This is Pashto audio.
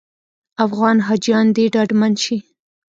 افغان حاجیان دې ډاډمن شي.